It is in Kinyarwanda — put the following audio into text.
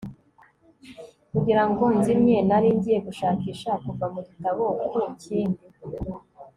kugira ngo nzimye, nari ngiye gushakisha kuva mu gitabo ku kindi